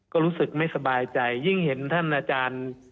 ก็รู้สึกไม่สบายใจยิ่งเห็นท่านอาจารย์